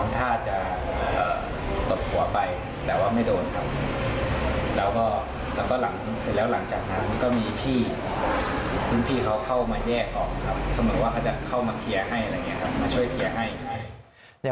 มาช่วยเคลียร์ให้อย่างนี้